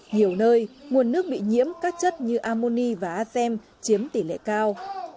nhiều nơi nguồn nước bị nhiễm các chất như ammoni và azem chiếm tỷ lệ cao